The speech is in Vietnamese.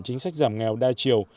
chính sách giảm nghèo đa chiều